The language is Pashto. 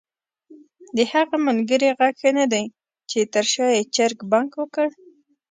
د هغه ملګري ږغ ښه ندی چې تر شا ېې چرګ بانګ وکړ؟!